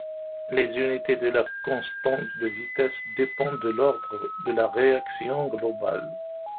Les unités de la constante de vitesse dépendent de l'ordre de la réaction globale.